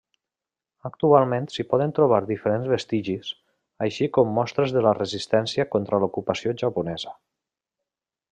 Actualment s'hi poden trobar diferents vestigis, així com mostres de la resistència contra l'ocupació japonesa.